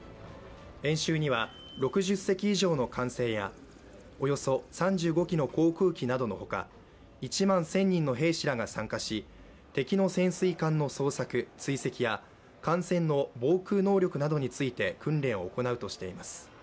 演習には６０隻以上の艦船やおよそ３５機の航空機などのほか、１万１０００人の戦士らが参加し敵の潜水艦の捜索・追跡や艦船の防空能力などについて訓練を行うとしています。